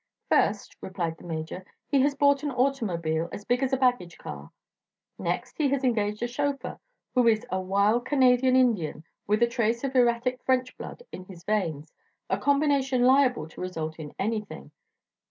"First," replied the Major, "he has bought an automobile as big as a baggage car. Next he has engaged a chauffeur who is a wild Canadian Indian with a trace of erratic French blood in his veins a combination liable to result in anything.